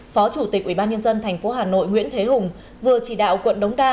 phó chủ tịch ubnd tp hà nội nguyễn thế hùng vừa chỉ đạo quận đống đa